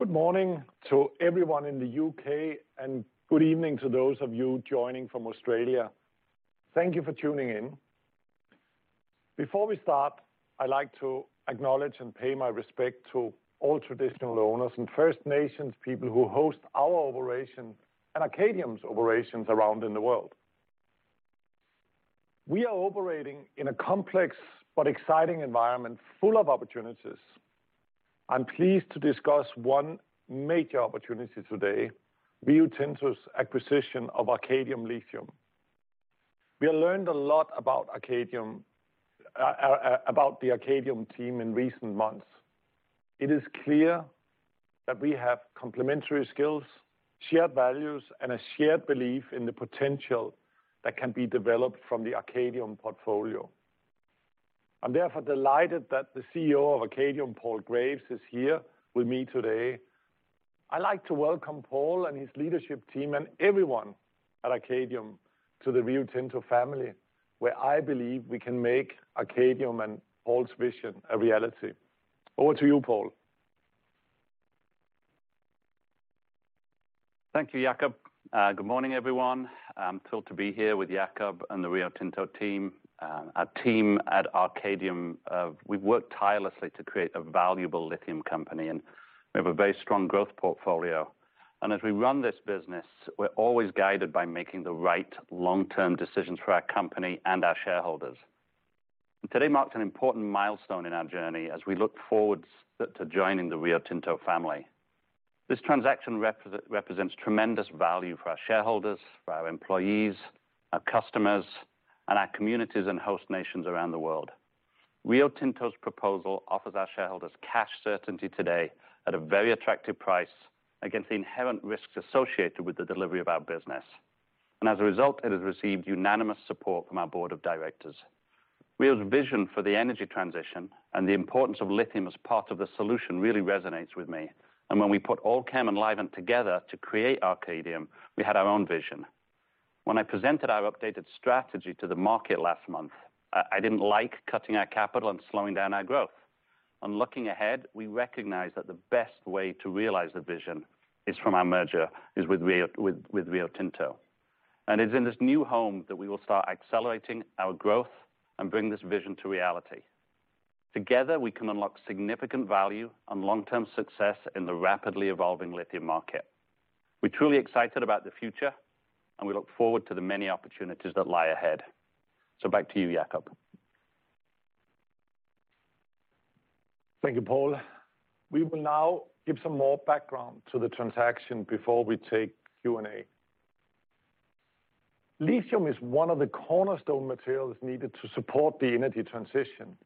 Good morning to everyone in the UK, and good evening to those of you joining from Australia. Thank you for tuning in. Before we start, I'd like to acknowledge and pay my respect to all Traditional Owners and First Nations people who host our operation and Arcadium's operations around in the world. We are operating in a complex but exciting environment, full of opportunities. I'm pleased to discuss one major opportunity today, Rio Tinto's acquisition of Arcadium Lithium. We have learned a lot about Arcadium, about the Arcadium team in recent months. It is clear that we have complementary skills, shared values, and a shared belief in the potential that can be developed from the Arcadium portfolio. I'm therefore delighted that the CEO of Arcadium, Paul Graves, is here with me today. I'd like to welcome Paul and his leadership team and everyone at Arcadium to the Rio Tinto family, where I believe we can make Arcadium and Paul's vision a reality. Over to you, Paul. Thank you, Jakob. Good morning, everyone. I'm thrilled to be here with Jakob and the Rio Tinto team. Our team at Arcadium, we've worked tirelessly to create a valuable lithium company, and we have a very strong growth portfolio. As we run this business, we're always guided by making the right long-term decisions for our company and our shareholders. Today marks an important milestone in our journey as we look forward to joining the Rio Tinto family. This transaction represents tremendous value for our shareholders, for our employees, our customers, and our communities and host nations around the world. Rio Tinto's proposal offers our shareholders cash certainty today at a very attractive price against the inherent risks associated with the delivery of our business. As a result, it has received unanimous support from our board of directors. Rio's vision for the energy transition and the importance of lithium as part of the solution really resonates with me. And when we put Allkem and Livent together to create Arcadium, we had our own vision. When I presented our updated strategy to the market last month, I didn't like cutting our capital and slowing down our growth. On looking ahead, we recognize that the best way to realize the vision is from our merger, is with Rio, with Rio Tinto. And it's in this new home that we will start accelerating our growth and bring this vision to reality. Together, we can unlock significant value and long-term success in the rapidly evolving lithium market. We're truly excited about the future, and we look forward to the many opportunities that lie ahead. So back to you, Jakob. Thank you, Paul. We will now give some more background to the transaction before we take Q&A. Lithium is one of the cornerstone materials needed to support the energy transition.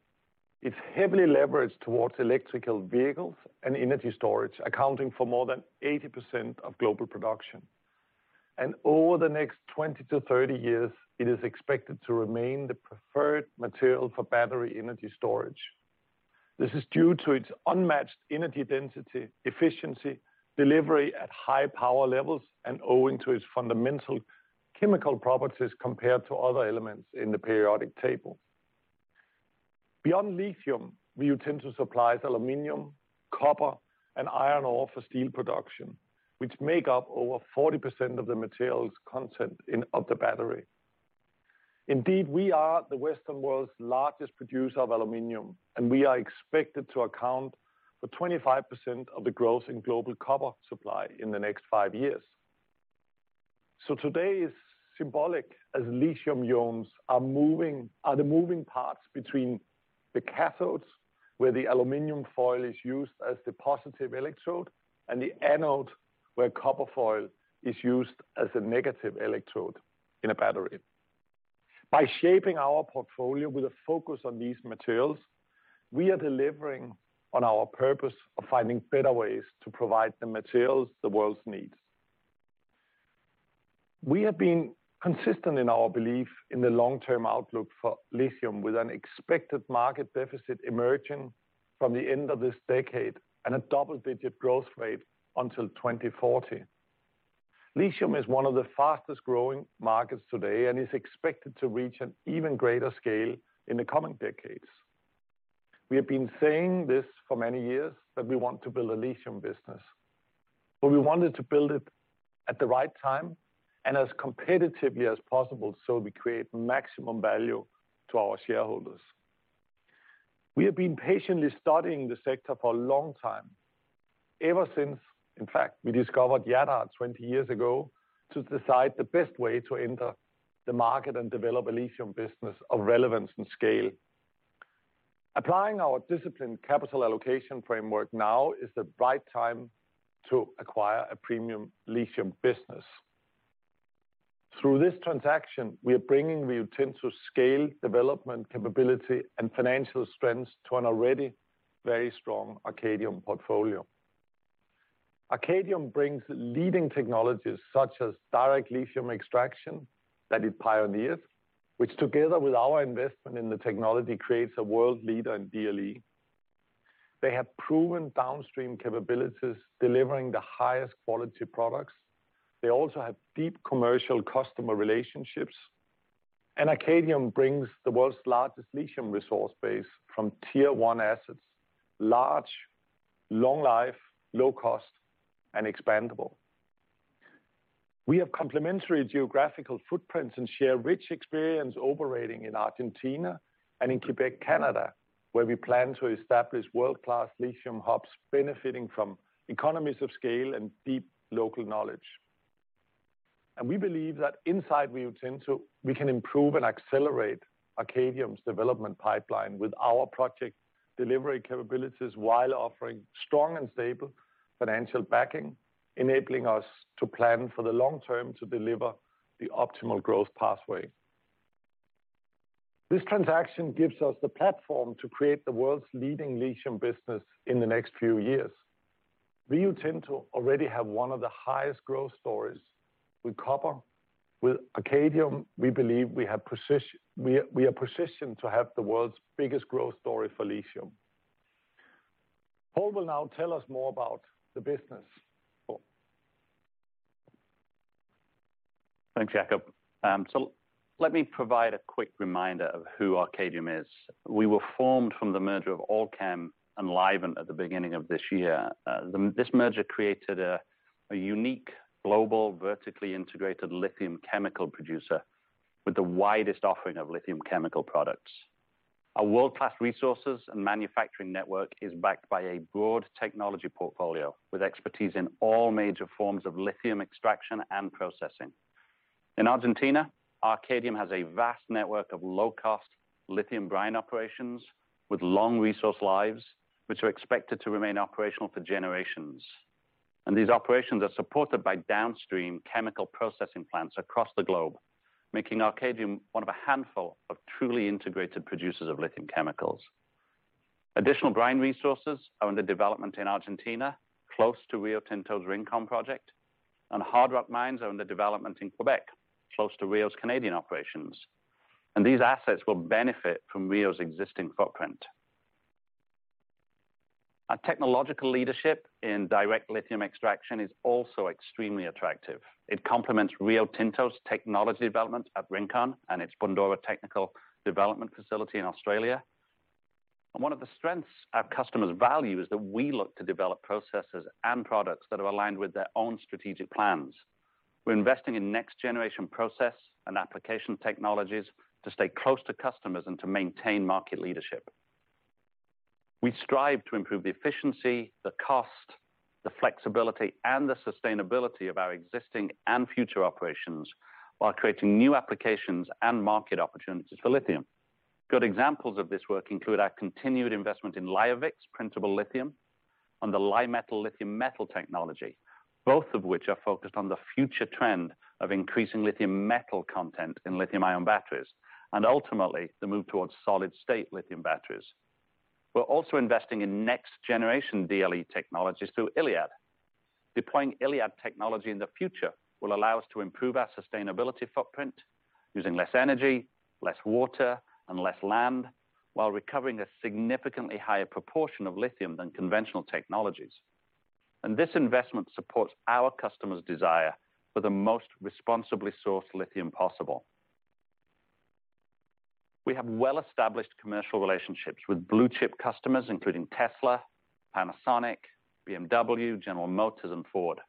It's heavily leveraged towards electric vehicles and energy storage, accounting for more than 80% of global production. Over the next 20 years to 30 years, it is expected to remain the preferred material for battery energy storage. This is due to its unmatched energy density, efficiency, delivery at high power levels, and owing to its fundamental chemical properties compared to other elements in the periodic table. Beyond lithium, Rio Tinto supplies aluminum, copper, and iron ore for steel production, which make up over 40% of the materials content of the battery. Indeed, we are the Western world's largest producer of aluminum, and we are expected to account for 25% of the growth in global copper supply in the next five years. So today is symbolic, as lithium ions are moving, are the moving parts between the cathodes, where the aluminum foil is used as the positive electrode, and the anode, where copper foil is used as a negative electrode in a battery. By shaping our portfolio with a focus on these materials, we are delivering on our purpose of finding better ways to provide the materials the world needs. We have been consistent in our belief in the long-term outlook for lithium, with an expected market deficit emerging from the end of this decade and a double-digit growth rate until 2040. Lithium is one of the fastest-growing markets today and is expected to reach an even greater scale in the coming decades. We have been saying this for many years, that we want to build a lithium business, but we wanted to build it at the right time and as competitively as possible, so we create maximum value to our shareholders. We have been patiently studying the sector for a long time, ever since, in fact, we discovered Jadar 20 years ago, to decide the best way to enter the market and develop a lithium business of relevance and scale. Applying our disciplined capital allocation framework, now is the right time to acquire a premium lithium business. Through this transaction, we are bringing Rio Tinto's scale, development capability, and financial strengths to an already very strong Arcadium portfolio. Arcadium brings leading technologies, such as direct lithium extraction, that it pioneers, which, together with our investment in the technology, creates a world leader in DLE. They have proven downstream capabilities, delivering the highest quality products. They also have deep commercial customer relationships. And Arcadium brings the world's largest lithium resource base from Tier 1 assets, large, long life, low cost, and expandable. We have complementary geographical footprints and share rich experience operating in Argentina and in Quebec, Canada, where we plan to establish world-class lithium hubs, benefiting from economies of scale and deep local knowledge. And we believe that inside Rio Tinto, we can improve and accelerate Arcadium's development pipeline with our project delivery capabilities, while offering strong and stable financial backing, enabling us to plan for the long term to deliver the optimal growth pathway. This transaction gives us the platform to create the world's leading lithium business in the next few years. Rio Tinto already have one of the highest growth stories with copper. With Arcadium, we believe we are positioned to have the world's biggest growth story for lithium. Paul will now tell us more about the business. Paul? Thanks, Jakob. So let me provide a quick reminder of who Arcadium is. We were formed from the merger of Allkem and Livent at the beginning of this year. This merger created a unique global, vertically integrated lithium chemical producer with the widest offering of lithium chemical products. Our world-class resources and manufacturing network is backed by a broad technology portfolio, with expertise in all major forms of lithium extraction and processing. In Argentina, Arcadium has a vast network of low-cost lithium brine operations with long resource lives, which are expected to remain operational for generations. And these operations are supported by downstream chemical processing plants across the globe, making Arcadium one of a handful of truly integrated producers of lithium chemicals. Additional brine resources are under development in Argentina, close to Rio Tinto's Rincon project, and hard rock mines are under development in Quebec, close to Rio's Canadian operations. And these assets will benefit from Rio's existing footprint. Our technological leadership in direct lithium extraction is also extremely attractive. It complements Rio Tinto's technology development at Rincon and its Bundoora technical development facility in Australia. And one of the strengths our customers value is that we look to develop processes and products that are aligned with their own strategic plans. We're investing in next generation process and application technologies to stay close to customers and to maintain market leadership. We strive to improve the efficiency, the cost, the flexibility, and the sustainability of our existing and future operations, while creating new applications and market opportunities for lithium. Good examples of this work include our continued investment in LIOVIX printable lithium and the Li-Metal lithium metal technology, both of which are focused on the future trend of increasing lithium metal content in lithium-ion batteries, and ultimately, the move towards solid-state lithium batteries. We're also investing in next-generation DLE technologies through ILiAD. Deploying ILiAD technology in the future will allow us to improve our sustainability footprint, using less energy, less water, and less land, while recovering a significantly higher proportion of lithium than conventional technologies, and this investment supports our customers' desire for the most responsibly sourced lithium possible. We have well-established commercial relationships with blue chip customers, including Tesla, Panasonic, BMW, General Motors, and Ford.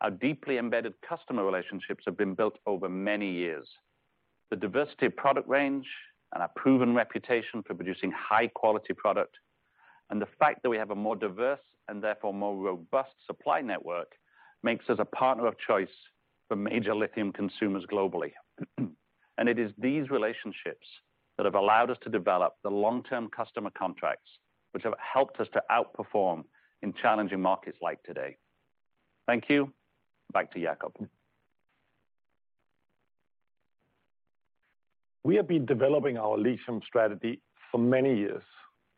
Our deeply embedded customer relationships have been built over many years. The diversity of product range and our proven reputation for producing high quality product, and the fact that we have a more diverse and therefore more robust supply network, makes us a partner of choice for major lithium consumers globally. And it is these relationships that have allowed us to develop the long-term customer contracts, which have helped us to outperform in challenging markets like today. Thank you. Back to Jakob. We have been developing our lithium strategy for many years.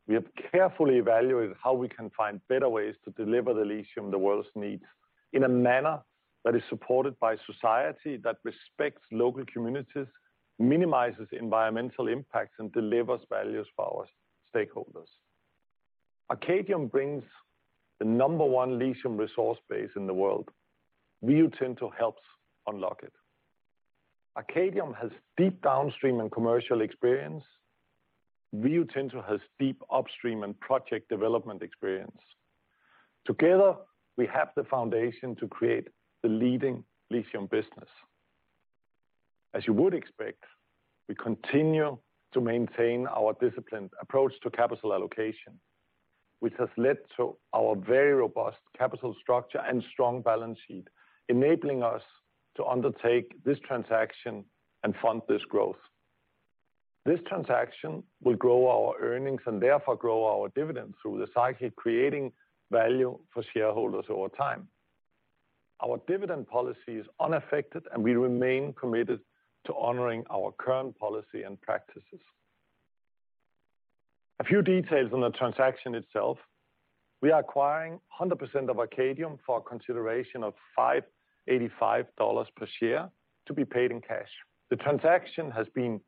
We have carefully evaluated how we can find better ways to deliver the lithium the world needs, in a manner that is supported by society, that respects local communities, minimizes environmental impacts, and delivers values for our stakeholders. Arcadium brings the number one lithium resource base in the world. Rio Tinto helps unlock it. Arcadium has deep downstream and commercial experience. Rio Tinto has deep upstream and project development experience. Together, we have the foundation to create the leading lithium business. As you would expect, we continue to maintain our disciplined approach to capital allocation, which has led to our very robust capital structure and strong balance sheet, enabling us to undertake this transaction and fund this growth. This transaction will grow our earnings and therefore grow our dividends through the cycle, creating value for shareholders over time. Our dividend policy is unaffected, and we remain committed to honoring our current policy and practices. A few details on the transaction itself. We are acquiring 100% of Arcadium for a consideration of $585 per share to be paid in cash. The transaction has been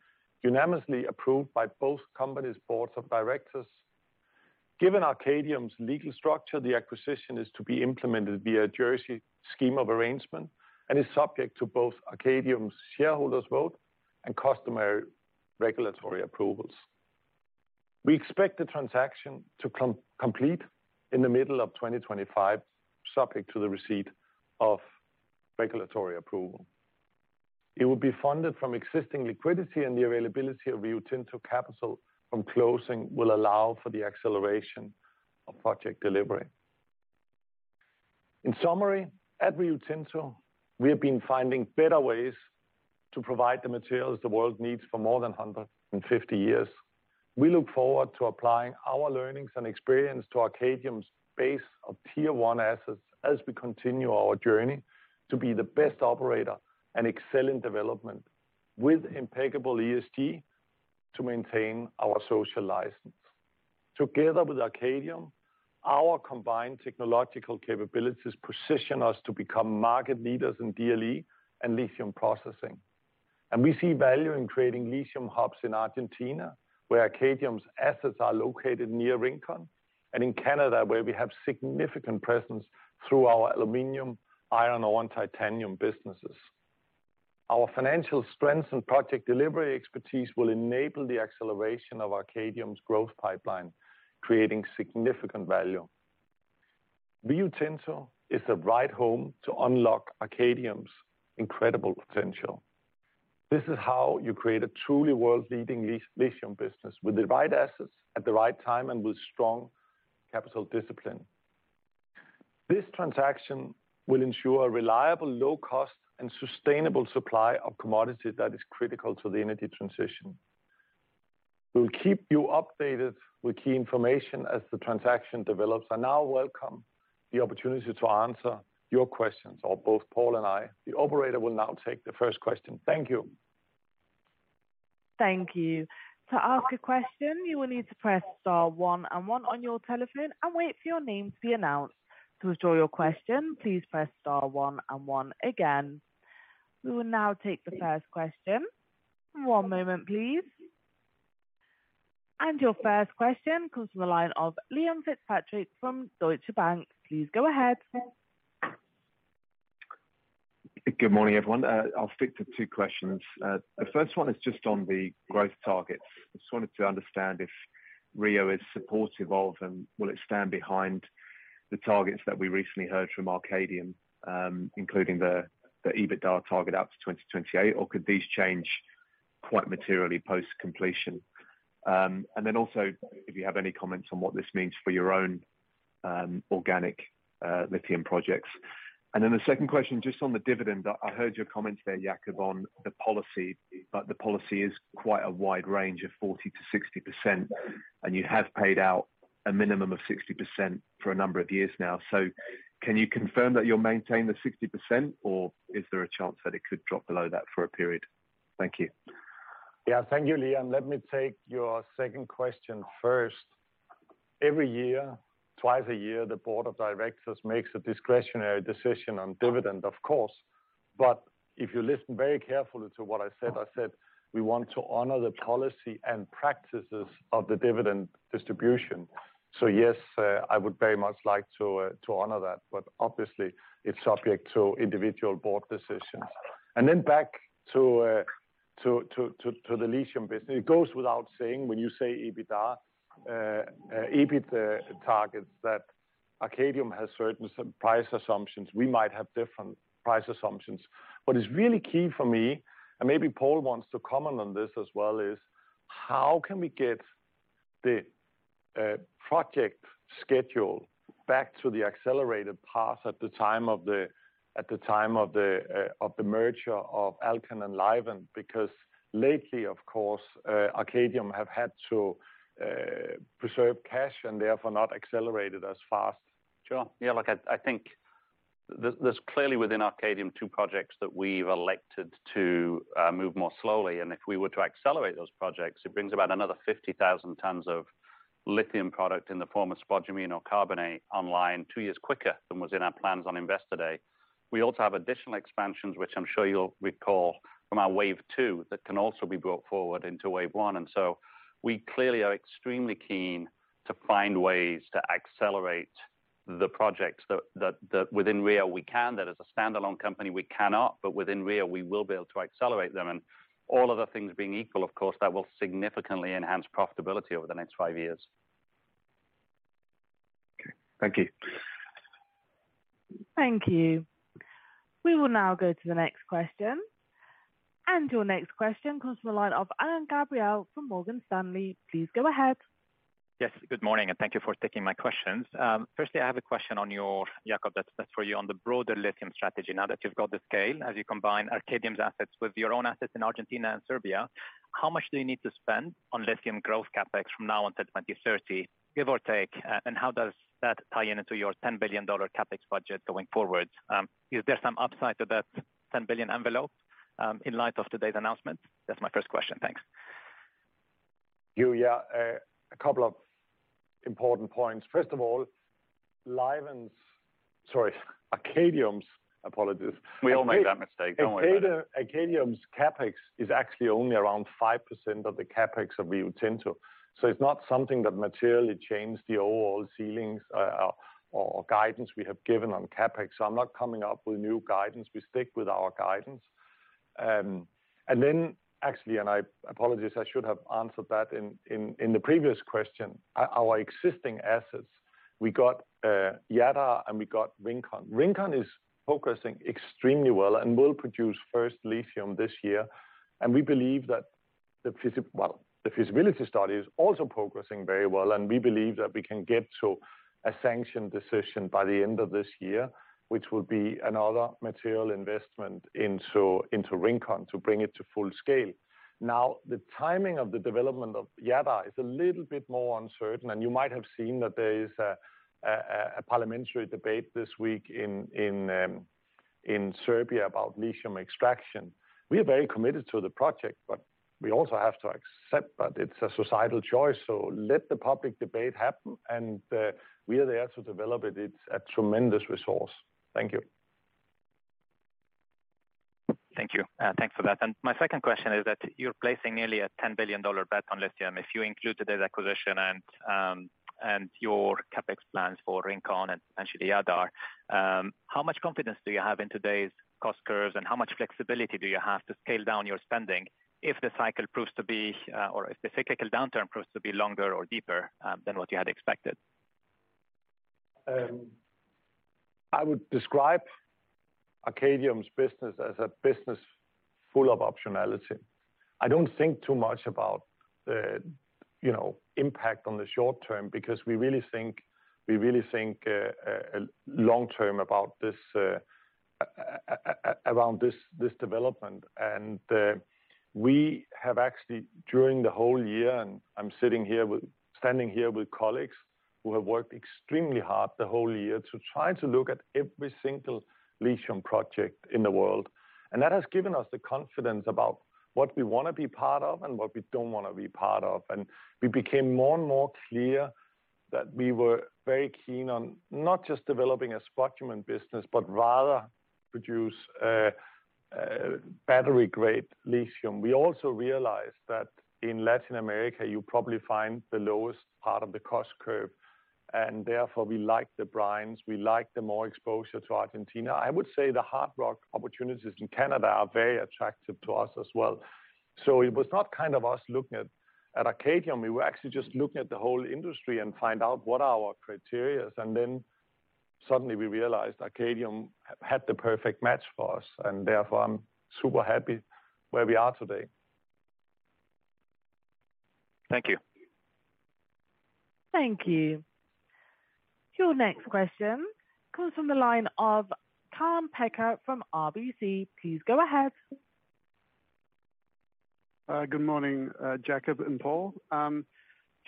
unanimously approved by both companies' boards of directors. Given Arcadium's legal structure, the acquisition is to be implemented via a Jersey scheme of arrangement and is subject to both Arcadium's shareholders vote and customary regulatory approvals. We expect the transaction to complete in the middle of 2025, subject to the receipt of regulatory approval. It will be funded from existing liquidity, and the availability of Rio Tinto capital from closing will allow for the acceleration of project delivery. In summary, at Rio Tinto, we have been finding better ways to provide the materials the world needs for more than 150 years. We look forward to applying our learnings and experience to Arcadium's base of Tier 1 assets as we continue our journey to be the best operator and excel in development, with impeccable ESG to maintain our social license. Together with Arcadium, our combined technological capabilities position us to become market leaders in DLE and lithium processing. We see value in creating lithium hubs in Argentina, where Arcadium's assets are located near Rincon, and in Canada, where we have significant presence through our aluminum, iron ore, and titanium businesses. Our financial strength and project delivery expertise will enable the acceleration of Arcadium's growth pipeline, creating significant value. Rio Tinto is the right home to unlock Arcadium's incredible potential. This is how you create a truly world-leading lithium business, with the right assets at the right time and with strong capital discipline. This transaction will ensure a reliable, low cost, and sustainable supply of commodity that is critical to the energy transition. We'll keep you updated with key information as the transaction develops, and I welcome the opportunity to answer your questions, or both Paul and I. The operator will now take the first question. Thank you. Thank you. To ask a question, you will need to press star one and one on your telephone and wait for your name to be announced. To withdraw your question, please press star one and one again. We will now take the first question. One moment, please. Your first question comes from the line of Liam Fitzpatrick from Deutsche Bank. Please go ahead. Good morning, everyone. I'll stick to two questions. The first one is just on the growth targets. Just wanted to understand if Rio is supportive of, and will it stand behind the targets that we recently heard from Arcadium, including the EBITDA target out to 2028, or could these change quite materially post-completion? And then also, if you have any comments on what this means for your own organic lithium projects. And then the second question, just on the dividend, I heard your comments there, Jakob, on the policy, but the policy is quite a wide range of 40%-60%, and you have paid out a minimum of 60% for a number of years now. So can you confirm that you'll maintain the 60%, or is there a chance that it could drop below that for a period? Thank you. Yeah. Thank you, Liam. Let me take your second question first. Every year, twice a year, the board of directors makes a discretionary decision on dividend, of course, but if you listen very carefully to what I said, I said we want to honor the policy and practices of the dividend distribution. So yes, I would very much like to honor that, but obviously it's subject to individual board decisions. And then back to the lithium business. It goes without saying, when you say EBITDA, EBIT, targets, that Arcadium has certain price assumptions. We might have different price assumptions, but it's really key for me, and maybe Paul wants to comment on this as well, is: How can we get the project schedule back to the accelerated path at the time of the merger of Allkem and Livent? Because lately, of course, Arcadium have had to preserve cash and therefore not accelerated as fast. Sure. Yeah, look, I think there's clearly within Arcadium two projects that we've elected to move more slowly, and if we were to accelerate those projects, it brings about another 50,000 tons of lithium product in the form of spodumene or carbonate online two years quicker than was in our plans on Investor Day. We also have additional expansions, which I'm sure you'll recall from our Wave Two, that can also be brought forward into Wave One. And so we clearly are extremely keen to find ways to accelerate the projects that within Rio we can, that as a standalone company we cannot, but within Rio we will be able to accelerate them. And all other things being equal, of course, that will significantly enhance profitability over the next five years. Okay. Thank you. Thank you. We will now go to the next question. And your next question comes from the line of Alain Gabriel from Morgan Stanley. Please go ahead. Yes, good morning, and thank you for taking my questions. Firstly, I have a question on your, Jakob, that's for you, on the broader lithium strategy. Now that you've got the scale, as you combine Arcadium's assets with your own assets in Argentina and Serbia, how much do you need to spend on lithium growth CapEx from now until 2030, give or take? And how does that tie into your $10 billion CapEx budget going forward? Is there some upside to that $10 billion envelope, in light of today's announcement? That's my first question. Thanks. Yeah, yeah. A couple of important points. First of all, Livent's, sorry, Arcadium's, apologies. We all make that mistake, don't worry about it. Arcadium's CapEx is actually only around 5% of the CapEx of the Oyu Tolgoi, so it's not something that materially changed the overall ceilings, or guidance we have given on CapEx, so I'm not coming up with new guidance. We stick with our guidance, and then actually, and I apologize, I should have answered that in the previous question. Our existing assets, we got Jadar, and we got Rincon. Rincon is progressing extremely well and will produce first lithium this year, and we believe that the feasibility study is also progressing very well, and we believe that we can get to a sanction decision by the end of this year, which will be another material investment into Rincon to bring it to full scale. Now, the timing of the development of Jadar is a little bit more uncertain, and you might have seen that there is a parliamentary debate this week in Serbia about lithium extraction. We are very committed to the project, but we also have to accept that it's a societal choice, so let the public debate happen, and we are there to develop it. It's a tremendous resource. Thank you. Thank you. Thanks for that. And my second question is that you're placing nearly a $10 billion bet on lithium. If you include today's acquisition and your CapEx plans for Rincon and potentially Jadar, how much confidence do you have in today's cost curves, and how much flexibility do you have to scale down your spending if the cycle proves to be or if the cyclical downturn proves to be longer or deeper than what you had expected? I would describe Arcadium's business as a business full of optionality. I don't think too much about the, you know, impact on the short term, because we really think long term about this around this development. And we have actually, during the whole year, and I'm standing here with colleagues who have worked extremely hard the whole year to try to look at every single lithium project in the world. And that has given us the confidence about what we want to be part of and what we don't want to be part of. And we became more and more clear that we were very keen on not just developing a spodumene business, but rather produce battery-grade lithium. We also realized that in Latin America, you probably find the lowest part of the cost curve, and therefore, we like the brines, we like the more exposure to Argentina. I would say the hard rock opportunities in Canada are very attractive to us as well. It was not kind of us looking at Arcadium; we were actually just looking at the whole industry and find out what are our criteria, and then suddenly we realized Arcadium had the perfect match for us, and therefore, I'm super happy where we are today. Thank you. Thank you. Your next question comes from the line of Kaan Peker from RBC. Please go ahead. Good morning, Jakob and Paul.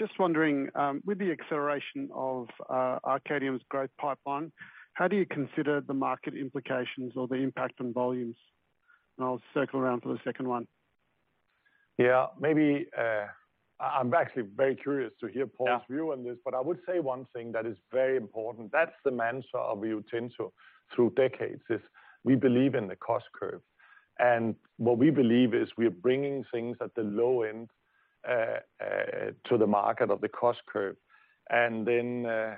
Just wondering, with the acceleration of Arcadium's growth pipeline, how do you consider the market implications or the impact on volumes? And I'll circle around for the second one. Yeah, maybe, I'm actually very curious to hear Paul's- Yeah -view on this, but I would say one thing that is very important, that's the mantra of the business through decades, is we believe in the cost curve. And what we believe is we are bringing things at the low end, to the market of the cost curve. And then,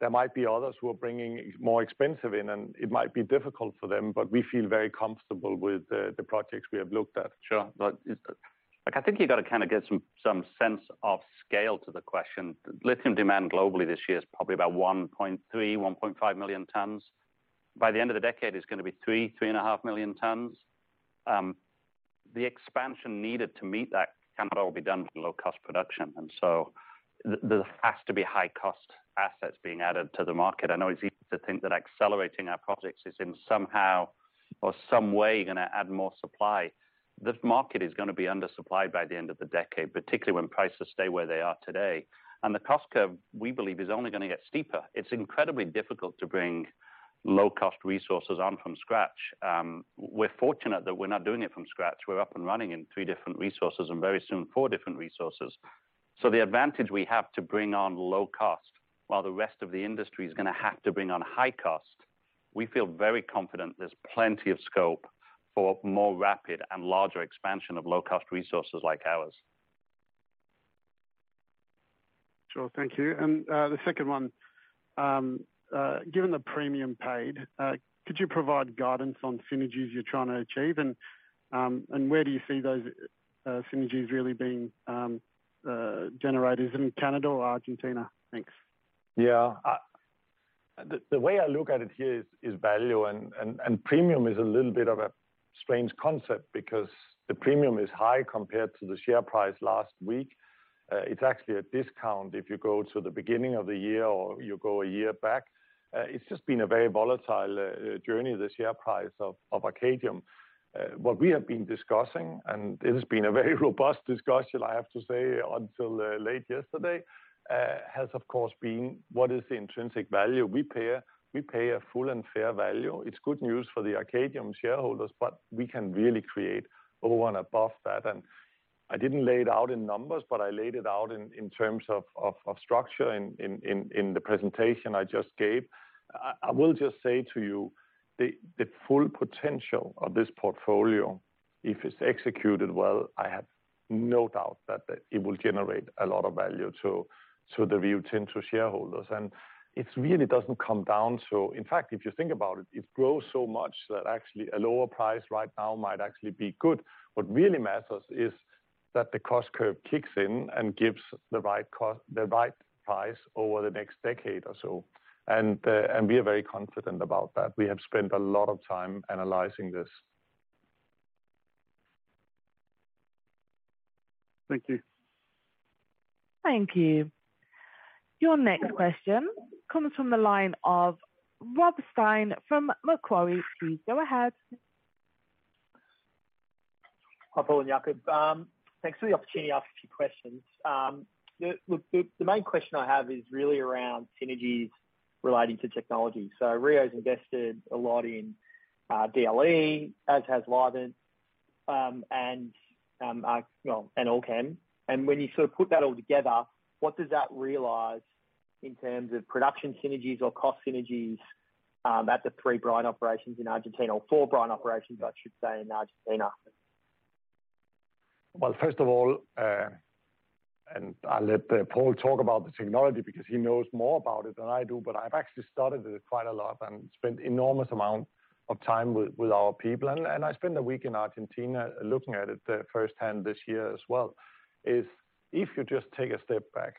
there might be others who are bringing more expensive in, and it might be difficult for them, but we feel very comfortable with the projects we have looked at. Sure. But it's, like, I think you've got to kind of get some sense of scale to the question. Lithium demand globally this year is probably about 1.3 million-1.5 million tons. By the end of the decade, it's going to be 3 million-3.5 million tons. The expansion needed to meet that cannot all be done with low-cost production, and so there has to be high-cost assets being added to the market. I know it's easy to think that accelerating our projects is in somehow or some way gonna add more supply. This market is gonna be undersupplied by the end of the decade, particularly when prices stay where they are today. And the cost curve, we believe, is only gonna get steeper. It's incredibly difficult to bring low-cost resources on from scratch. We're fortunate that we're not doing it from scratch. We're up and running in three different resources and very soon, four different resources. So the advantage we have to bring on low cost, while the rest of the industry is gonna have to bring on high cost, we feel very confident there's plenty of scope for more rapid and larger expansion of low-cost resources like ours. Sure, thank you. And the second one, given the premium paid, could you provide guidance on synergies you're trying to achieve? And where do you see those synergies really being generated? Is it in Canada or Argentina? Thanks. Yeah. The way I look at it here is value, and premium is a little bit of a strange concept because the premium is high compared to the share price last week. It's actually a discount if you go to the beginning of the year or you go a year back. It's just been a very volatile journey, the share price of Arcadium. What we have been discussing, and it has been a very robust discussion, I have to say, until late yesterday has, of course, been what is the intrinsic value? We pay a full and fair value. It's good news for the Arcadium shareholders, but we can really create over and above that, and... I didn't lay it out in numbers, but I laid it out in terms of structure in the presentation I just gave. I will just say to you, the full potential of this portfolio, if it's executed well, I have no doubt that it will generate a lot of value to the Rio Tinto shareholders. It really doesn't come down so. In fact, if you think about it, it grows so much that actually a lower price right now might actually be good. What really matters is that the cost curve kicks in and gives the right cost, the right price over the next decade or so. We are very confident about that. We have spent a lot of time analyzing this. Thank you. Thank you. Your next question comes from the line of Rob Stein from Macquarie. Please go ahead. Hi, Paul and Jakob. Thanks for the opportunity to ask a few questions. Look, the main question I have is really around synergies relating to technology, so Rio's invested a lot in DLE, as has Livent, and you know, and Allkem, and when you sort of put that all together, what does that realize in terms of production synergies or cost synergies, at the three brine operations in Argentina, or four brine operations, I should say, in Argentina? Well, first of all, and I'll let Paul talk about the technology because he knows more about it than I do, but I've actually studied it quite a lot and spent enormous amount of time with our people. And I spent a week in Argentina looking at it firsthand this year as well, is if you just take a step back,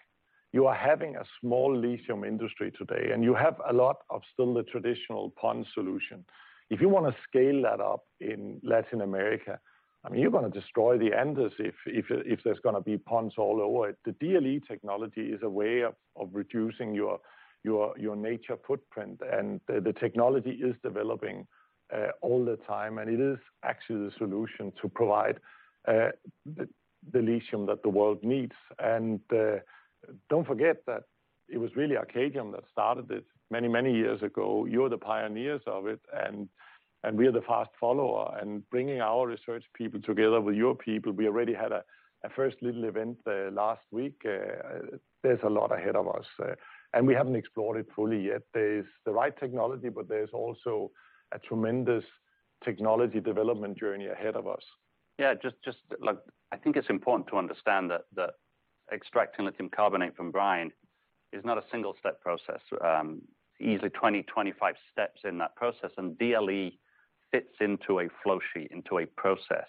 you are having a small lithium industry today, and you have a lot of still the traditional pond solution. If you want to scale that up in Latin America, I mean, you're gonna destroy the Andes if there's gonna be ponds all over it. The DLE technology is a way of reducing your natural footprint, and the technology is developing all the time, and it is actually the solution to provide the lithium that the world needs. Don't forget that it was really Arcadium that started this many, many years ago. You're the pioneers of it, and we are the fast follower, and bringing our research people together with your people, we already had a first little event last week. There's a lot ahead of us, and we haven't explored it fully yet. There's the right technology, but there's also a tremendous technology development journey ahead of us. Yeah, just... Look, I think it's important to understand that extracting lithium carbonate from brine is not a single-step process. Easily 20, 25 steps in that process, and DLE fits into a flow sheet, into a process.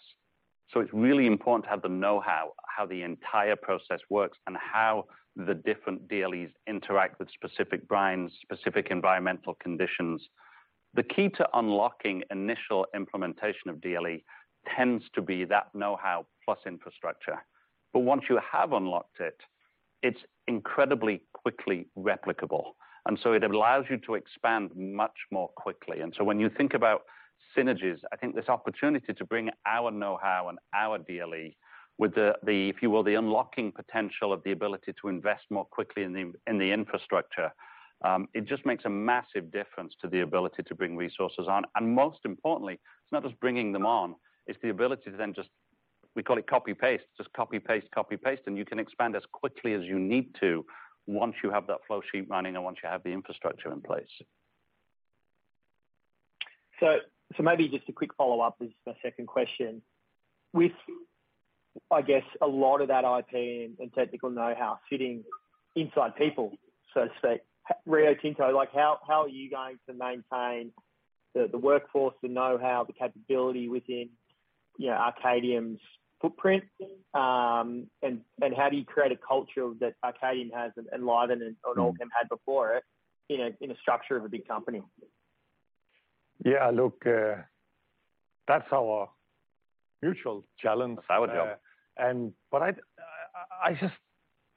So it's really important to have the know-how, how the entire process works and how the different DLEs interact with specific brines, specific environmental conditions. The key to unlocking initial implementation of DLE tends to be that know-how plus infrastructure. But once you have unlocked it, it's incredibly quickly replicable, and so it allows you to expand much more quickly. And so when you think about synergies, I think this opportunity to bring our know-how and our DLE with the, if you will, the unlocking potential of the ability to invest more quickly in the infrastructure. It just makes a massive difference to the ability to bring resources on. And most importantly, it's not just bringing them on, it's the ability to then just, we call it copy-paste, just copy-paste, copy-paste, and you can expand as quickly as you need to once you have that flow sheet running and once you have the infrastructure in place. So, maybe just a quick follow-up. This is my second question: With, I guess, a lot of that IP and technical know-how sitting inside people, so to speak, Rio Tinto, like, how are you going to maintain the workforce, the know-how, the capability within, you know, Arcadium's footprint? And how do you create a culture that Arcadium has and Livent and Allkem had before it in a structure of a big company? Yeah, look, that's our mutual challenge. I would help.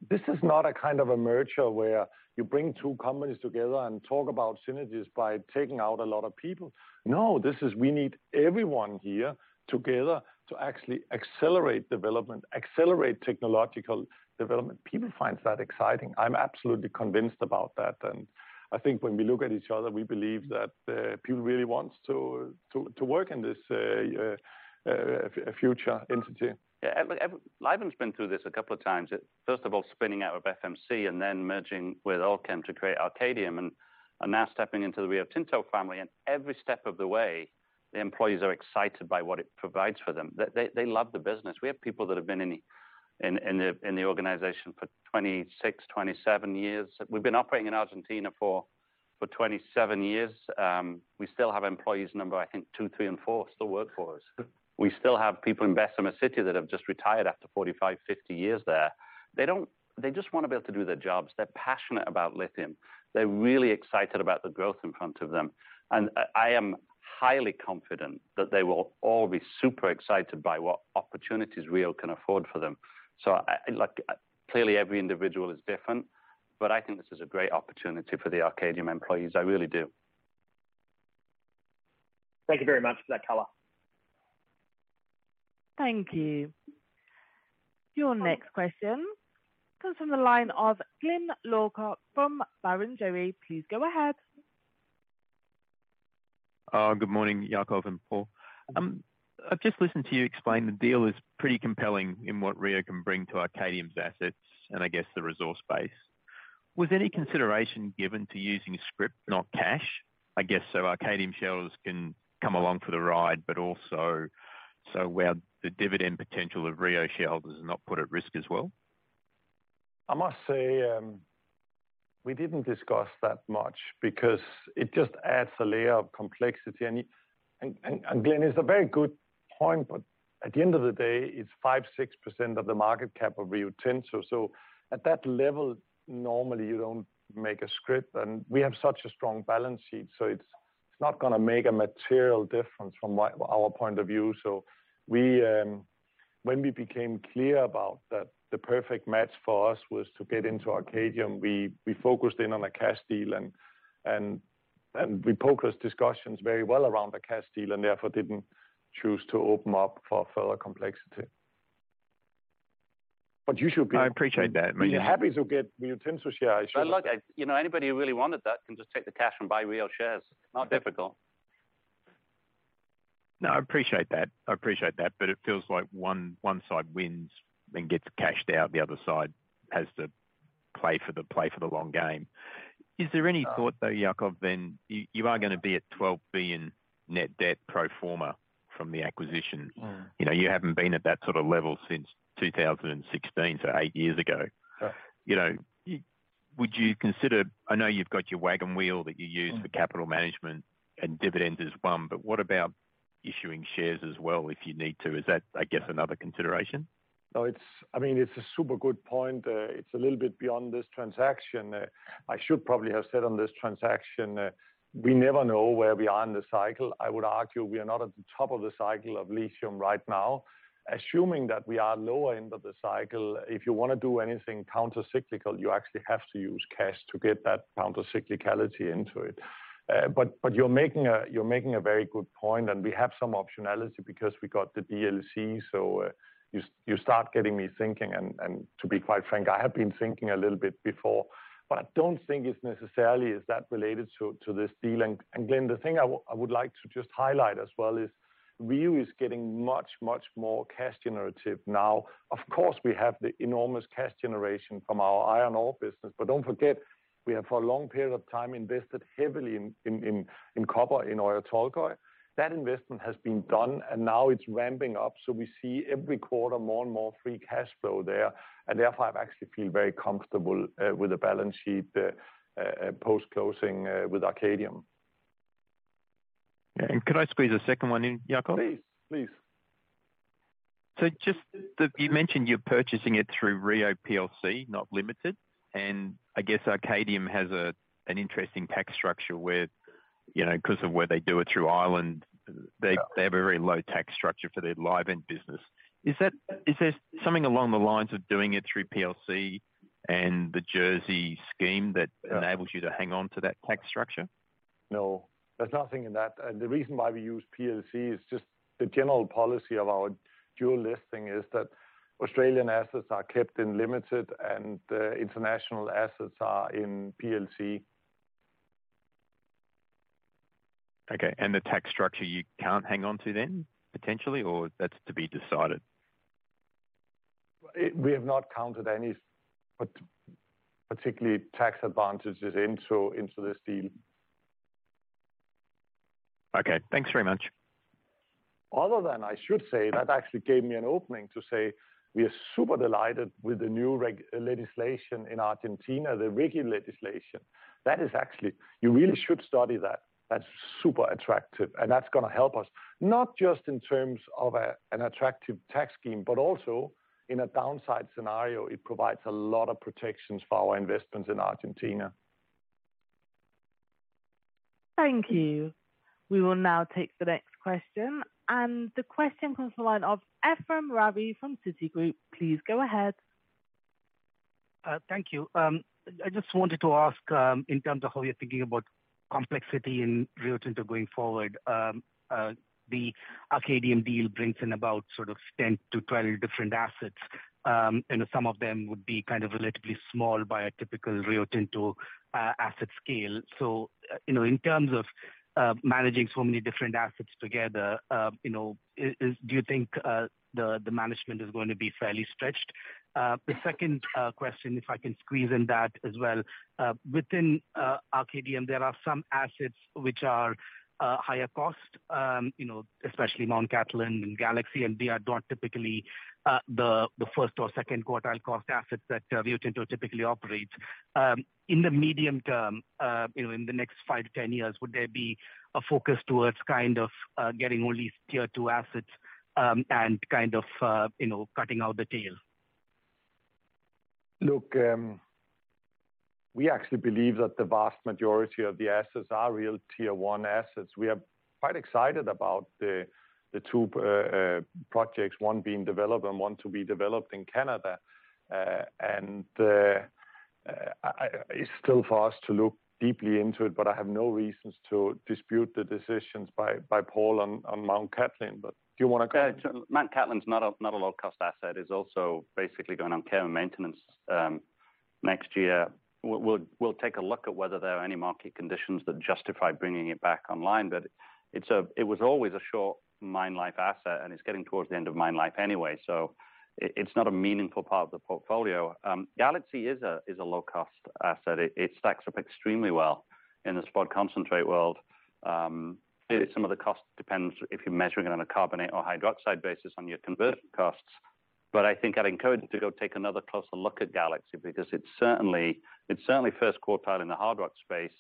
This is not a kind of a merger where you bring two companies together and talk about synergies by taking out a lot of people. No, this is we need everyone here together to actually accelerate development, accelerate technological development. People find that exciting. I'm absolutely convinced about that, and I think when we look at each other, we believe that people really wants to work in this future entity. Yeah, Livent's been through this a couple of times. First of all, spinning out of FMC and then merging with Allkem to create Arcadium, and now stepping into the Rio Tinto family, and every step of the way, the employees are excited by what it provides for them. They love the business. We have people that have been in the organization for 26 years, 27 years. We've been operating in Argentina for 27 years. We still have employees number, I think two, three, and four, still work for us. We still have people in Bessemer City that have just retired after 45, 50 years there. They don't... They just want to be able to do their jobs. They're passionate about lithium. They're really excited about the growth in front of them, and I am highly confident that they will all be super excited by what opportunities Rio can afford for them. So I, like, clearly, every individual is different, but I think this is a great opportunity for the Arcadium employees. I really do. Thank you very much for that color. Thank you. Your next question comes from the line of Glyn Lawcock from Barrenjoey. Please go ahead. Good morning, Jakob and Paul. I've just listened to you explain the deal is pretty compelling in what Rio can bring to Arcadium's assets and I guess the resource base. Was any consideration given to using scrip, not cash? I guess, so Arcadium shareholders can come along for the ride, but also, so where the dividend potential of Rio shareholders is not put at risk as well. I must say, we didn't discuss that much because it just adds a layer of complexity, and, and, Glyn, it's a very good point, but at the end of the day, it's 5%-6% of the market cap of Rio Tinto. So at that level, normally you don't make a scrip, and we have such a strong balance sheet, so it's not gonna make a material difference from our point of view. So when we became clear about that, the perfect match for us was to get into Arcadium. We focused in on a cash deal, and we focused discussions very well around the cash deal and therefore didn't choose to open up for further complexity. But you should be- I appreciate that, I mean- We are happy to get Rio Tinto share issues. But look, you know, anybody who really wanted that can just take the cash and buy Rio shares. Not difficult. No, I appreciate that. I appreciate that, but it feels like one side wins and gets cashed out, the other side has to play for the long game. Is there any thought, though, Jakob, you are gonna be at $12 billion net debt pro forma from the acquisition. Mm. You know, you haven't been at that sort of level since 2016, so eight years ago. Correct. You know, would you consider... I know you've got your wagon wheel that you use- Mm for capital management, and dividend is one, but what about issuing shares as well if you need to? Is that, I guess, another consideration? No, it's-- I mean, it's a super good point. It's a little bit beyond this transaction. I should probably have said on this transaction, we never know where we are in the cycle. I would argue we are not at the top of the cycle of lithium right now. Assuming that we are lower end of the cycle, if you wanna do anything countercyclical, you actually have to use cash to get that countercyclicality into it. But you're making a very good point, and we have some optionality because we got the DLE, so you start getting me thinking and to be quite frank, I have been thinking a little bit before. But I don't think it's necessarily is that related to this deal. And, the thing I would like to just highlight as well is Rio is getting much, much more cash generative now. Of course, we have the enormous cash generation from our iron ore business, but don't forget, we have, for a long period of time, invested heavily in copper, in Oyu Tolgoi. That investment has been done, and now it's ramping up, so we see every quarter more and more free cash flow there, and therefore, I actually feel very comfortable with the balance sheet post-closing with Arcadium. Yeah, and could I squeeze a second one in, Jakob? Please, please. So just that you mentioned you're purchasing it through Rio PLC, not Limited, and I guess Arcadium has an interesting tax structure where, you know, 'cause of where they do it through Ireland- Yeah They, they have a very low tax structure for their Livent business. Is that, is this something along the lines of doing it through PLC and the Jersey scheme that- Yeah enables you to hang on to that tax structure? No, there's nothing in that. And the reason why we use PLC is just the general policy of our dual listing is that Australian assets are kept in Limited and, international assets are in PLC. Okay, and the tax structure, you can't hang on to then, potentially, or that's to be decided? We have not counted any particular tax advantages into this deal. Okay, thanks very much. Other than I should say, that actually gave me an opening to say we are super delighted with the new RIGI legislation in Argentina, the RIGI legislation. That is actually... You really should study that. That's super attractive, and that's gonna help us, not just in terms of a, an attractive tax scheme, but also in a downside scenario, it provides a lot of protections for our investments in Argentina. Thank you. We will now take the next question, and the question comes from the line of Ephrem Ravi from Citigroup. Please go ahead. Thank you. I just wanted to ask, in terms of how you're thinking about complexity in Rio Tinto going forward, the Arcadium deal brings in about sort of 10-12 different assets. And some of them would be kind of relatively small by a typical Rio Tinto asset scale. So, you know, in terms of managing so many different assets together, you know, do you think the management is going to be fairly stretched? The second question, if I can squeeze in that as well, within Arcadium, there are some assets which are higher cost, you know, especially Mt Cattlin and Galaxy, and they are not typically the first or second quartile cost assets that Rio Tinto typically operates. In the medium term, you know, in the next five to 10 years, would there be a focus towards kind of, you know, cutting out the tail? Look, we actually believe that the vast majority of the assets are real Tier 1 assets. We are quite excited about the two projects, one being developed and one to be developed in Canada. It's still for us to look deeply into it, but I have no reasons to dispute the decisions by Paul on Mt Cattlin. But do you wanna comment? Yeah, Mt Cattlin's not a low-cost asset, is also basically going on care and maintenance next year. We'll take a look at whether there are any market conditions that justify bringing it back online. But it's a it was always a short mine life asset, and it's getting towards the end of mine life anyway, so it, it's not a meaningful part of the portfolio. Galaxy is a low-cost asset. It stacks up extremely well in the spodumene concentrate world. Some of the cost depends if you're measuring it on a carbonate or hydroxide basis on your conversion costs. But I think I'd encourage you to go take another closer look at Galaxy, because it's certainly, it's certainly first quartile in the hard rock space,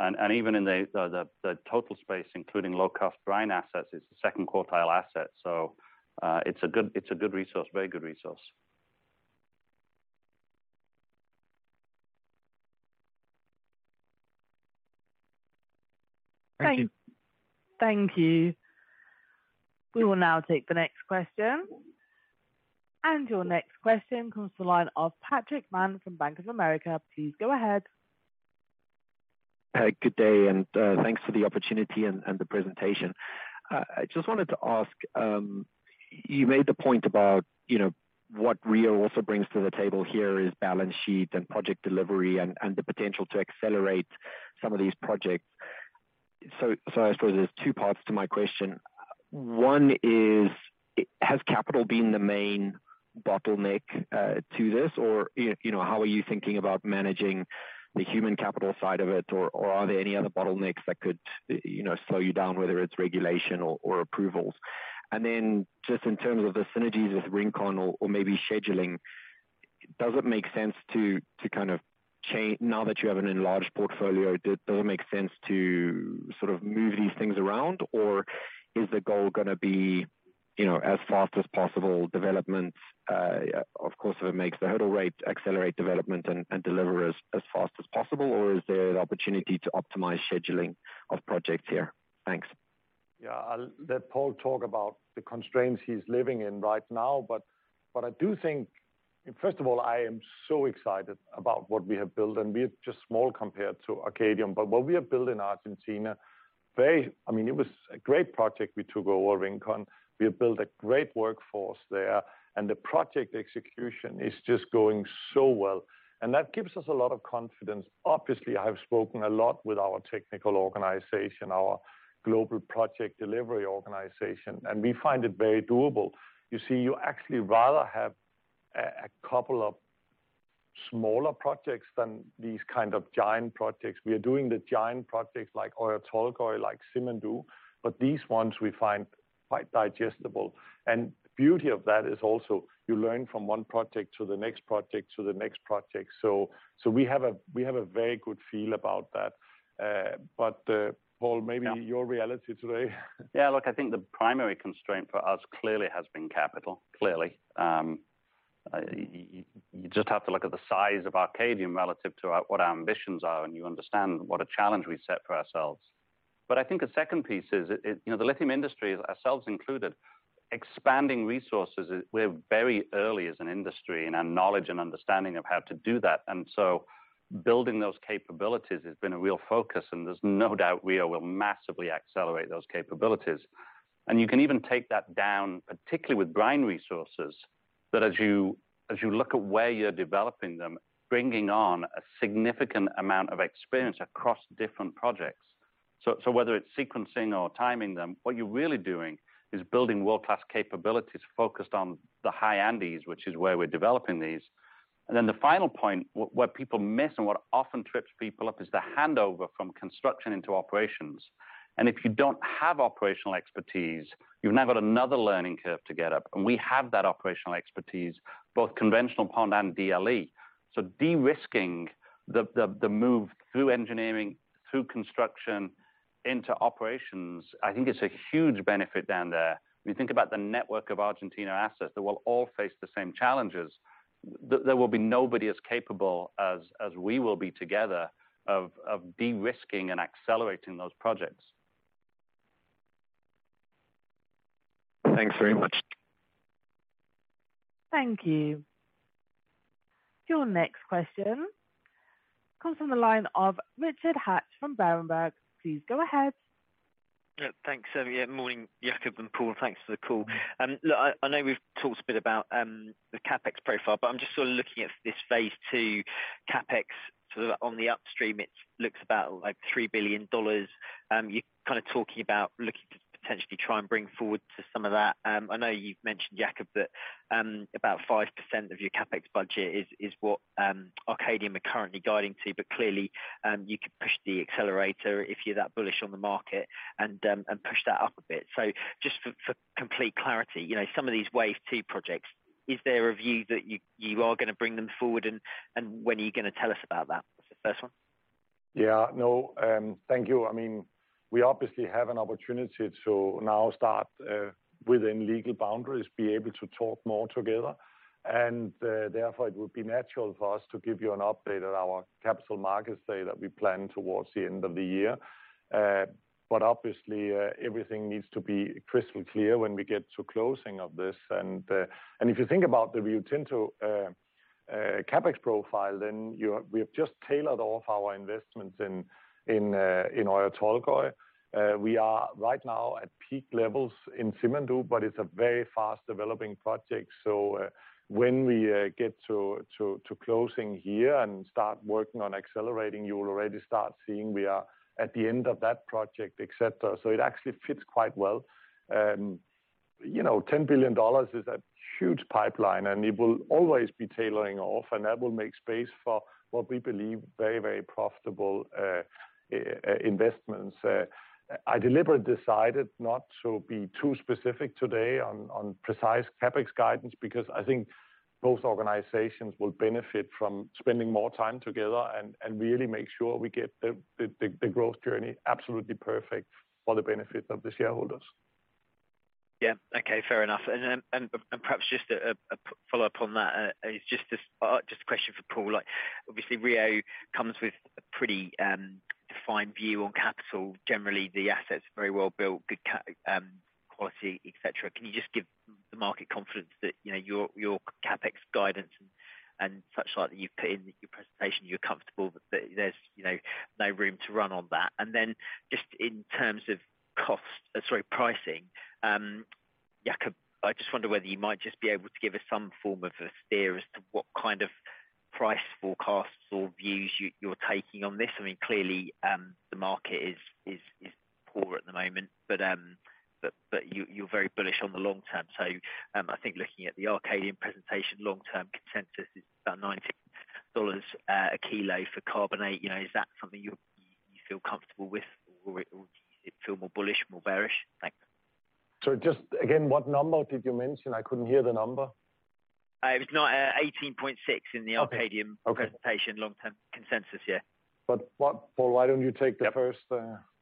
and even in the total space, including low-cost brine assets, it's a second quartile asset, so it's a good, it's a good resource, very good resource. Thank you. Thank you. We will now take the next question, and your next question comes from the line of Patrick Mann from Bank of America. Please go ahead. Good day, and thanks for the opportunity and the presentation. I just wanted to ask, you made the point about, you know, what Rio also brings to the table here is balance sheet and project delivery and the potential to accelerate some of these projects. So I suppose there's two parts to my question. One is, has capital been the main bottleneck to this? Or, you know, how are you thinking about managing the human capital side of it? Or are there any other bottlenecks that could, you know, slow you down, whether it's regulation or approvals? And then, just in terms of the synergies with Rincon or maybe scheduling, does it make sense to kind of change. Now that you have an enlarged portfolio, does it make sense to sort of move these things around, or is the goal gonna be, you know, as fast as possible development? Of course, if it makes the hurdle rate, accelerate development and deliver as fast as possible, or is there an opportunity to optimize scheduling of projects here? Thanks. Yeah, I'll let Paul talk about the constraints he's living in right now, but I do think. First of all, I am so excited about what we have built, and we're just small compared to Arcadium, but what we have built in Argentina, very. I mean, it was a great project we took over Rincon. We have built a great workforce there, and the project execution is just going so well, and that gives us a lot of confidence. Obviously, I've spoken a lot with our technical organization, our global project delivery organization, and we find it very doable. You see, you actually rather have a couple of smaller projects than these kind of giant projects. We are doing the giant projects like Oyu Tolgoi, like Simandou, but these ones we find quite digestible. The beauty of that is also you learn from one project to the next project to the next project, so we have a very good feel about that. But, Paul, maybe your reality today? Yeah, look, I think the primary constraint for us clearly has been capital, clearly. You just have to look at the size of Arcadium relative to our, what our ambitions are, and you understand what a challenge we set for ourselves. But I think a second piece is, it, you know, the lithium industry, ourselves included, expanding resources, we're very early as an industry in our knowledge and understanding of how to do that. And so building those capabilities has been a real focus, and there's no doubt we will massively accelerate those capabilities. And you can even take that down, particularly with brine resources, that as you look at where you're developing them, bringing on a significant amount of experience across different projects. So whether it's sequencing or timing them, what you're really doing is building world-class capabilities focused on the high Andes, which is where we're developing these. And then the final point, what people miss and what often trips people up, is the handover from construction into operations. And if you don't have operational expertise, you've now got another learning curve to get up, and we have that operational expertise, both conventional pond and DLE. So de-risking the move through engineering, through construction into operations, I think it's a huge benefit down there. When you think about the network of Argentina assets, that we'll all face the same challenges, there will be nobody as capable as we will be together of de-risking and accelerating those projects. Thanks very much. Thank you. Your next question comes from the line of Richard Hatch from Berenberg. Please go ahead. Yeah, thanks. Yeah, morning, Jakob and Paul, thanks for the call. Look, I know we've talked a bit about the CapEx profile, but I'm just sort of looking at this phase II CapEx. Sort of on the upstream, it looks about like $3 billion. You're kind of talking about looking to potentially try and bring forward some of that. I know you've mentioned, Jakob, that about 5% of your CapEx budget is what Arcadium are currently guiding to, but clearly you could push the accelerator if you're that bullish on the market and push that up a bit. So just for complete clarity, you know, some of these Wave Two projects, is there a view that you are gonna bring them forward, and when are you gonna tell us about that? That's the first one. Yeah, no, thank you. I mean, we obviously have an opportunity to now start, within legal boundaries, be able to talk more together. And, therefore, it would be natural for us to give you an update at our capital markets day that we plan towards the end of the year. But obviously, everything needs to be crystal clear when we get to closing of this. And if you think about the Rio Tinto CapEx profile, then you, we have just tailored all of our investments in Oyu Tolgoi. We are right now at peak levels in Simandou, but it's a very fast-developing project. So, when we get to closing here and start working on accelerating, you will already start seeing we are at the end of that project, et cetera. So it actually fits quite well. You know, $10 billion is a huge pipeline, and it will always be tailing off, and that will make space for what we believe very, very profitable investments. I deliberately decided not to be too specific today on precise CapEx guidance, because I think both organizations will benefit from spending more time together and really make sure we get the growth journey absolutely perfect for the benefit of the shareholders. Yeah. Okay, fair enough. And then perhaps just a follow-up on that. This is just a question for Paul. Like, obviously, Rio comes with a pretty defined view on capital. Generally, the asset's very well built, good quality, et cetera. Can you just give the market confidence that, you know, your CapEx guidance and such like that you've put in your presentation, you're comfortable that there's, you know, no room to run on that? And then just in terms of pricing. Sorry, Jakob, I just wonder whether you might just be able to give us some form of a steer as to what kind of price forecasts or views you're taking on this. I mean, clearly, the market is poor at the moment, but you, you're very bullish on the long term. So, I think looking at the Arcadium presentation, long-term consensus is about $19 a kilo for carbonate. You know, is that something you feel comfortable with, or feel more bullish, more bearish? Thanks. So just again, what number did you mention? I couldn't hear the number. It was now, 18.6 in the- Okay. Arcadium presentation, long-term consensus. Yeah. But what, Paul, why don't you take the first,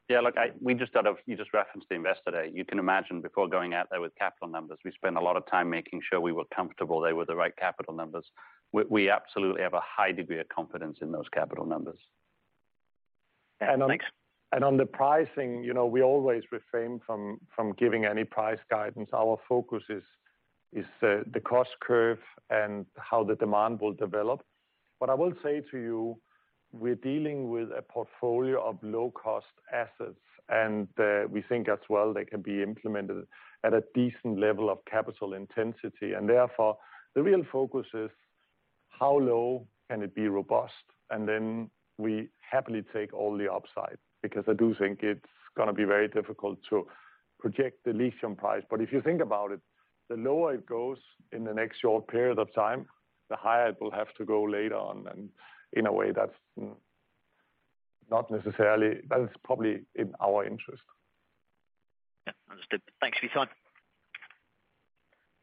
Yeah, look, we just sort of—you just referenced the investor day. You can imagine before going out there with capital numbers, we spent a lot of time making sure we were comfortable they were the right capital numbers. We absolutely have a high degree of confidence in those capital numbers. Thanks. And on the pricing, you know, we always refrain from giving any price guidance. Our focus is the cost curve and how the demand will develop. But I will say to you, we're dealing with a portfolio of low-cost assets, and we think as well they can be implemented at a decent level of capital intensity. Therefore, the real focus is how low can it be robust? And then we happily take all the upside, because I do think it's gonna be very difficult to project the lithium price. But if you think about it, the lower it goes in the next short period of time, the higher it will have to go later on, and in a way, that's not necessarily... That is probably in our interest. Yeah. Understood. Thanks for your time.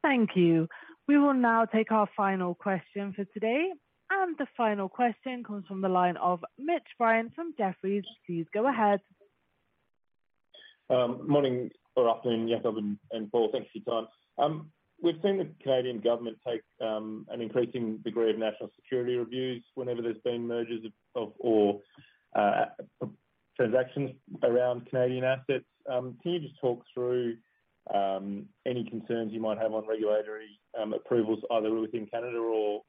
Thank you. We will now take our final question for today, and the final question comes from the line of Mitch Ryan from Jefferies. Please go ahead. Morning or afternoon, Jakob and Paul. Thanks for your time. We've seen the Canadian government take an increasing degree of national security reviews whenever there's been mergers or transactions around Canadian assets. Can you just talk through any concerns you might have on regulatory approvals, either within Canada or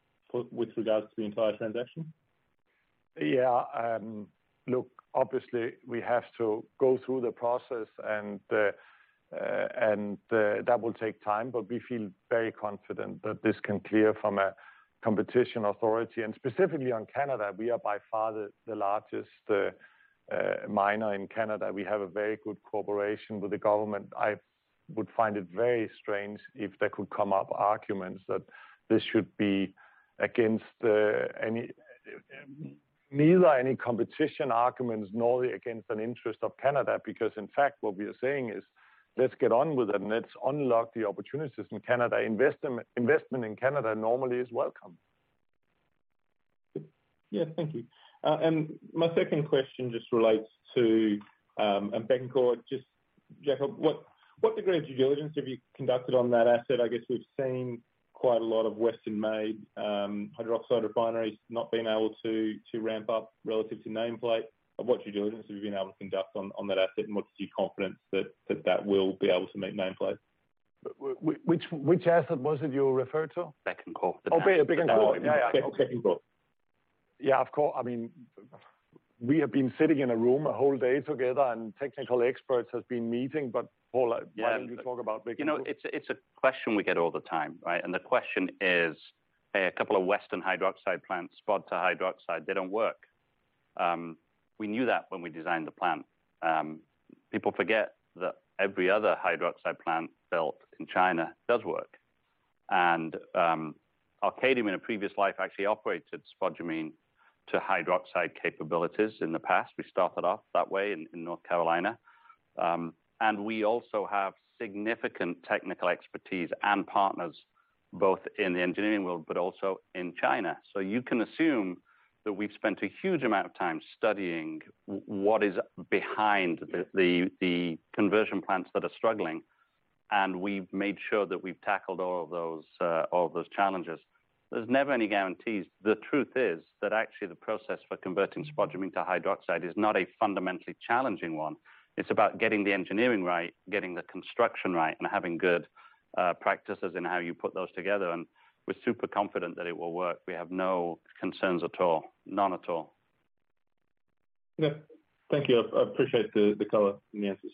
with regards to the entire transaction? Yeah, look, obviously, we have to go through the process and that will take time, but we feel very confident that this can clear from a competition authority. And specifically on Canada, we are by far the largest miner in Canada. We have a very good cooperation with the government. I would find it very strange if there could come up arguments that this should be against any, neither any competition arguments nor against an interest of Canada, because, in fact, what we are saying is let's get on with it and let's unlock the opportunities in Canada. Investment in Canada normally is welcome. Yeah. Thank you. And my second question just relates to Bécancour. Just, Jakob, what degree of due diligence have you conducted on that asset? I guess we've seen quite a lot of Western-made hydroxide refineries not being able to ramp up relative to nameplate. What due diligence have you been able to conduct on that asset, and what is your confidence that that will be able to meet nameplate? Which, which asset was it you referred to? Bécancour. Oh, Bécancour. Yeah, yeah. Bécancour. Yeah, of course. I mean, we have been sitting in a room a whole day together, and technical experts has been meeting, but Paul- Yeah. Why don't you talk about Bécancour? You know, it's a question we get all the time, right? And the question is, a couple of Western hydroxide plants, spodumene to hydroxide, they don't work. We knew that when we designed the plant. People forget that every other hydroxide plant built in China does work. And, Arcadium, in a previous life, actually operated spodumene to hydroxide capabilities in the past. We started off that way in North Carolina. And we also have significant technical expertise and partners, both in the engineering world, but also in China. So you can assume that we've spent a huge amount of time studying what is behind the conversion plants that are struggling, and we've made sure that we've tackled all those challenges. There's never any guarantees. The truth is, that actually, the process for converting spodumene to hydroxide is not a fundamentally challenging one. It's about getting the engineering right, getting the construction right, and having good practices in how you put those together, and we're super confident that it will work. We have no concerns at all. None at all. Yeah. Thank you. I appreciate the color in the answers.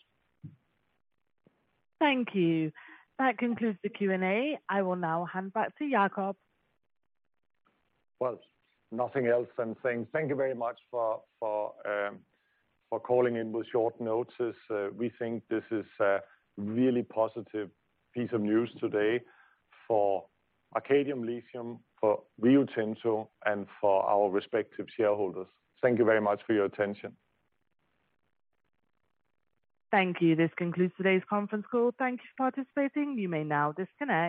Thank you. That concludes the Q&A. I will now hand back to Jakob. Nothing else than saying thank you very much for calling in with short notice. We think this is a really positive piece of news today for Arcadium Lithium, for Rio Tinto, and for our respective shareholders. Thank you very much for your attention. Thank you. This concludes today's conference call. Thank you for participating. You may now disconnect.